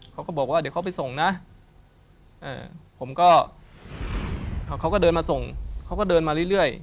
เขาก็บอกว่าเดี๋ยวเขาไปส่งนะผมก็เขาก็เดินมาส่งเขาก็เดินมาเรื่อย